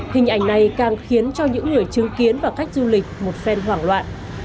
hình ảnh này càng khiến cho những người chứng kiến và cách du lịch một phen hoảng loạn